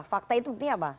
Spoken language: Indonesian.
fakta itu buktinya apa